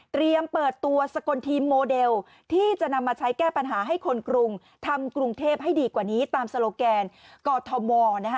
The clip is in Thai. เปิดตัวสกลทีมโมเดลที่จะนำมาใช้แก้ปัญหาให้คนกรุงทำกรุงเทพให้ดีกว่านี้ตามโซโลแกนกอทมนะฮะ